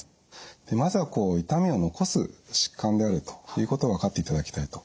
まずは痛みを残す疾患であるということを分かっていただきたいと。